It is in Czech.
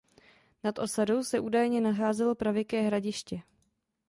Nad osadou se údajně nacházelo pravěké hradiště.